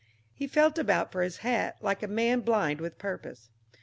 He felt about for his hat like a man blind with purpose.